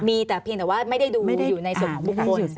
มีแต่เพียงแต่ว่าไม่ได้ดูอยู่ในส่วนของบุคคล